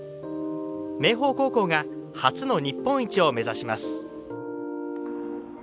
明豊高校が初の日本一を目指します。